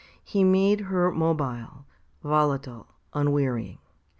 He made her mobile, volatile, unwearying.